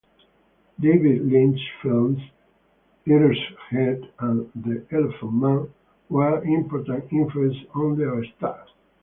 David Lynch's films "Eraserhead" and "The Elephant Man" were important influences on their style.